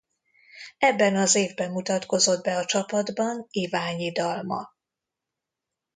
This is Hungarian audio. Ebben az évben mutatkozott be a csapatban Iványi Dalma.